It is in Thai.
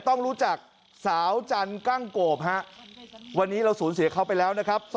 ต้องรู้จักสาวจันทร์กั้งโกบฮะวันนี้เราสูญเสียเขาไปแล้วนะครับ